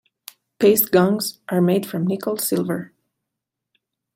Paiste gongs are made from nickel silver.